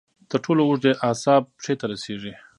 تر ټولو اوږد اعصاب پښې ته رسېږي.